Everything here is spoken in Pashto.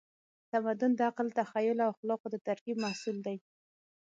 تمدن د عقل، تخیل او اخلاقو د ترکیب محصول دی.